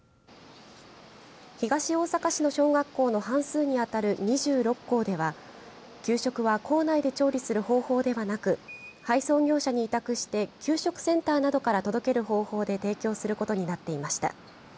東大阪市の小学校の半数にあたる２６校では給食は校内で調理する方法ではなく配送業者に委託して給食センターなどから届ける方法で提供することになっていました。